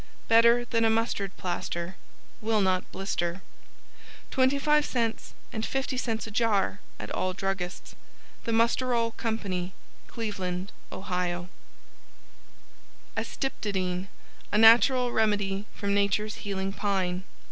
Better than a Mustard plaster. Will Not Blister. 25c and 50c a Jar at all Druggists THE MUSTEROLE CO., Cleveland, Ohio ASTYPTODYNE A Natural Remedy from Natures Healing Pine.